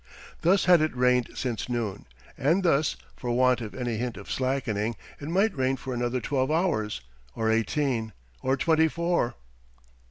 Thus had it rained since noon, and thus for want of any hint of slackening it might rain for another twelve hours, or eighteen, or twenty four....